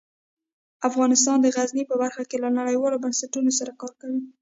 افغانستان د غزني په برخه کې له نړیوالو بنسټونو سره کار کوي.